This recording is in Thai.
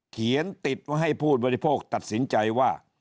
เขียนติดให้ผู้บริโภคตัดสินใจว่า